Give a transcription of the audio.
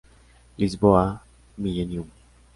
Lisboa: Millenium.